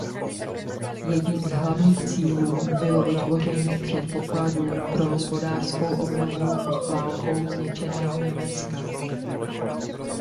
Jedním z hlavních cílů bylo vytvoření předpokladů pro hospodářskou obnovu válkou zničeného Německa.